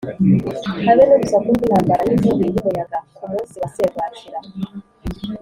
habe n’urusaku rw’intambara n’inkubi y’umuyaga ku munsi wa serwakira